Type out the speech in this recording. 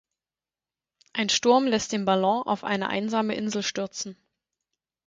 Ein Sturm lässt den Ballon auf eine einsame Insel stürzen.